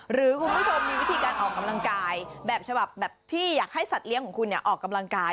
หรือคุณผู้ชมมีวิธีการออกกำลังกายแบบฉบับแบบที่อยากให้สัตว์เลี้ยงของคุณออกกำลังกาย